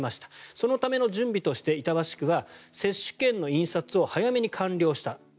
そのための準備として板橋区は接種券の印刷を早めに完了した。